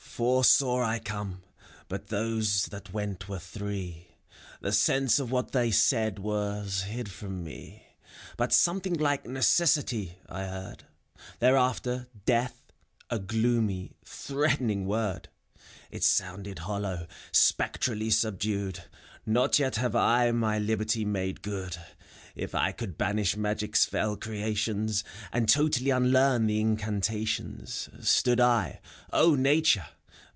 Four saw I come, but those that went were three ; The sense of what they said was hid from me, But something like "Necessity^* I heard; Thereafter, " Death, *^ a gloomy, threatening word ! It sounded hollow, spectrally subdued : prTot yet have I my liberty made good : If I could banish Magic's fell creations. And totally unlearn the incantations, — Stood L (LNatu re